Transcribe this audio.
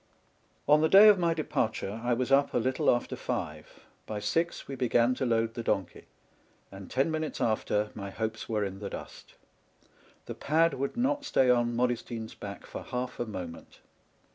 On the day of my departure I was up a little after five ; by six, we began to load the donkey ; and ten minutes after, my hopes were in the dust. The pad would not stay on Modestine's back for half a moment.